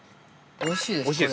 ◆おいしいですか。